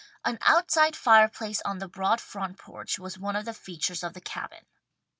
An outside fire place on the broad front porch was one of the features of the Cabin.